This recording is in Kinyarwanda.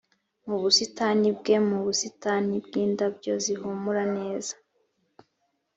mu busitani bwe mu busitani bw indabyo zihumura neza